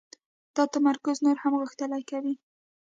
دا تمرکز نور هم غښتلی کوي.